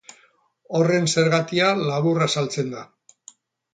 Horren zergatia labur azaltzen da.